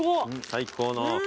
最高の。